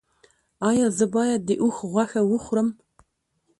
ایا زه باید د اوښ غوښه وخورم؟